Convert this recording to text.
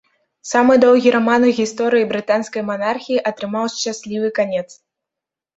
Самы доўгі раман у гісторыі брытанскай манархіі атрымаў шчаслівы канец.